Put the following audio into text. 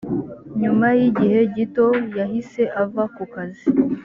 nyuma y’igihe gito yahise ava ku kazi